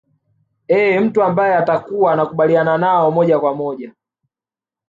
eh mtu ambaye labda atakuwa anakubaliana nao moja kwa moja